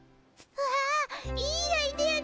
わいいアイデア